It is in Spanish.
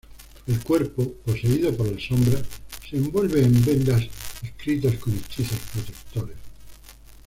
El cuerpo, poseído por las sombras, se envuelve en vendas inscritas con hechizos protectores.